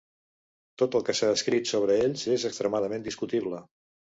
Tot el que s'ha escrit sobre ells és extremadament discutible.